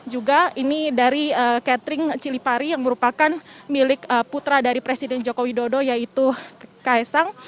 juga ini dari catering cilipari yang merupakan milik putra dari presiden joko widodo yaitu kaisang